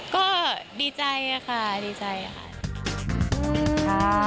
ก็ดีใจค่ะดีใจค่ะ